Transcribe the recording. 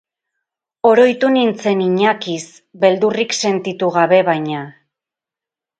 Oroitu nintzen Iñakiz, beldurrik sentitu gabe baina.